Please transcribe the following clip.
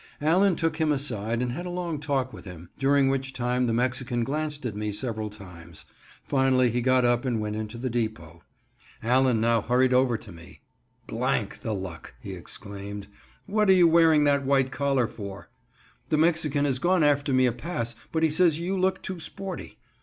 Allen took him aside and had a long talk with him, during which time the Mexican glanced at me several times. Finally he got up and went into the depot. Allen now hurried over to me. " the luck," he exclaimed, "what are you wearing that white collar for?" The Mexican has gone after me a pass, but he says you look too sporty.